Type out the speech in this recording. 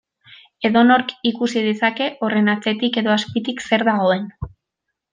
Edonork ikus dezake horren atzetik edo azpitik zer dagoen.